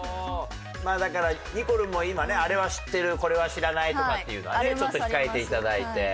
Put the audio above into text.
まあだからにこるんも今ねあれは知ってるこれは知らないとかって言うのはねちょっと控えて頂いて。